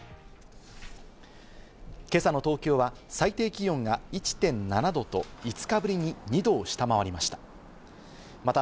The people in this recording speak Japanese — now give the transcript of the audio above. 今朝の東京は最低気温が１．７度と、５日ぶりに２度を下回りました。